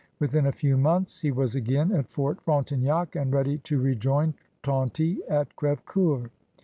Within a few months he was again at Fort Frontenac and ready to rejoin Tonty at Crfevecoeur.